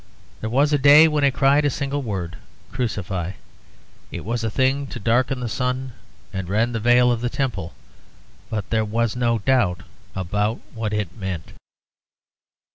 There was a day when it cried a single word; "Crucify." It was a thing to darken the sun and rend the veil of the temple; but there was no doubt about what it meant.